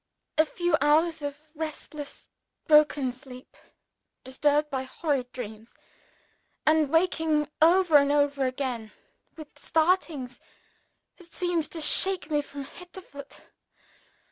_ A few hours of restless, broken sleep disturbed by horrid dreams, and waking over and over again with startings that seemed to shake me from head to foot.